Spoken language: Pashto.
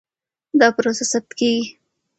دا پروسه ثبت کېږي.